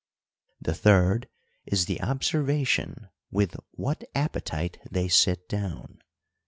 The third is the observation with what appetite they sit down.